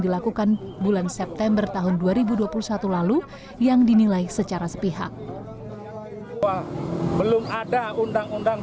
dilakukan bulan september tahun dua ribu dua puluh satu lalu yang dinilai secara sepihak belum ada undang undang